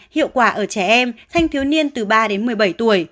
hiệu quả ở trẻ em thanh thiếu niên từ ba đến một mươi bảy tuổi